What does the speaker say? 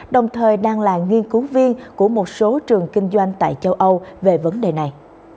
đồng thời đang là nghiên cứu viên của một số trường kinh doanh tại châu âu về vấn đề này